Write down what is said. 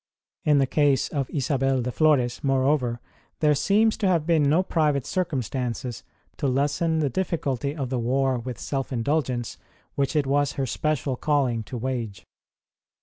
In the case of Isabel de Flores, moreover, there seem to have been no private circumstances to lessen the difficulty of the war with self indulgence which it was her special calling to wage.